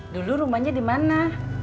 dulu rumahnya dimana